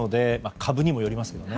株にもよりますけどね。